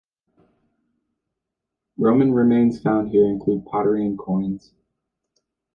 Roman remains found here include pottery and coins.